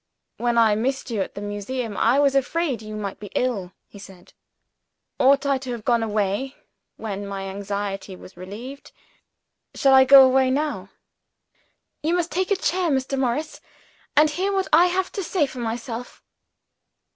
"When I missed you at the Museum, I was afraid you might be ill," he said. "Ought I to have gone away, when my anxiety was relieved? Shall I go away now?" "You must take a chair, Mr. Morris, and hear what I have to say for myself.